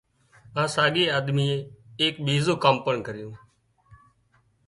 اِ ساڳِي آۮميئي ايڪ ٻِيزُون پڻ ڪام ڪريون